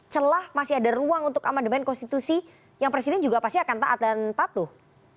celah masih ada ruang untuk amandemen konstitusi yang presiden juga pasti akan taat dan patuh